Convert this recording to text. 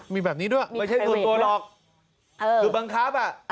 มีแบบนี้ด้วยไม่ใช่ส่วนตัวหรอกคือบังคับอ่ะ